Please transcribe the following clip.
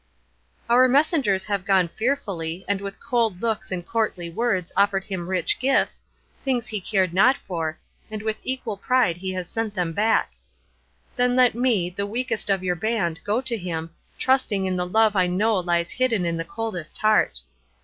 "Our messengers have gone fearfully, and with cold looks and courtly words offered him rich gifts, things he cared not for, and with equal pride has he sent them back. "Then let me, the weakest of your band, go to him, trusting in the love I know lies hidden in the coldest heart.